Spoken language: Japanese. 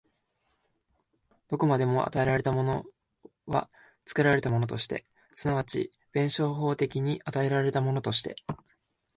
どこまでも与えられたものは作られたものとして、即ち弁証法的に与えられたものとして、